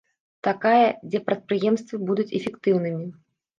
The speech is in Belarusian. Такая, дзе прадпрыемствы будуць эфектыўнымі.